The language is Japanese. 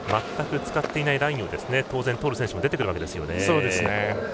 全く使っていないラインを取る選手も出てくるわけですね。